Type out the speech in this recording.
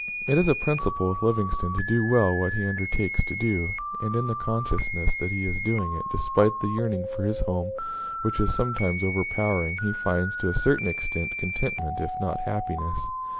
It is a principle with Livingstone to do well what he undertakes to do; and in the consciousness that he is doing it, despite the yearning for his home which is sometimes overpowering, he finds, to a certain extent, contentment, if not happiness.